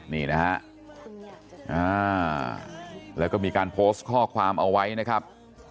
นี่นะฮะแล้วก็มีการโพสต์ข้อความเอาไว้นะครับ